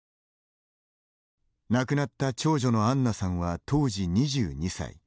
亡くなった長女の杏菜さんは当時２２歳。